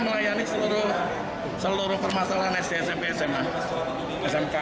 harga keberadaan pendidikan licin sma satu ratus dua belas kebonjeruk posko pengaduan pp enjoysir itu memang kebanyakan